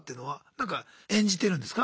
なんか演じてるんですか？